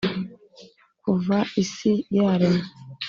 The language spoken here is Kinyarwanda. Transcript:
kuva isi yaremwa